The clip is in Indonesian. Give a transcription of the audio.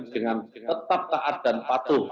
dengan tetap taat dan patuh